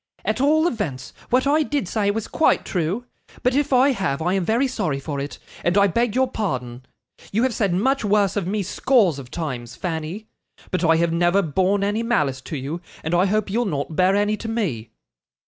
At all events, what I did say was quite true; but if I have, I am very sorry for it, and I beg your pardon. You have said much worse of me, scores of times, Fanny; but I have never borne any malice to you, and I hope you'll not bear any to me.